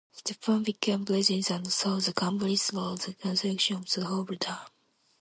Stephen became president and saw the company through the construction of the Hoover Dam.